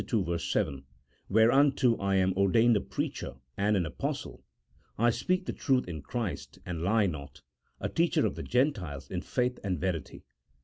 7), " Whereunto I am ordained a preacher and an apostle (I speak the truth in Christ and lie not), a teacher of the Gentiles in faith and verity."